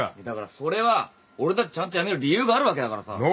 だからそれは俺だってちゃんと辞める理由があるわけだからさ。